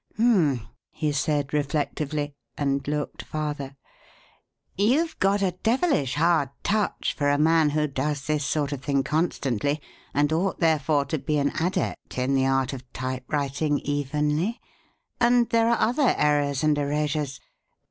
"H'm!" he said reflectively, and looked farther. "You've got a devilish hard touch for a man who does this sort of thing constantly, and ought therefore to be an adept in the art of typewriting evenly. And there are other errors and erasures.